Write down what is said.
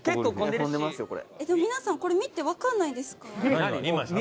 でも皆さんこれ見てわからないですか？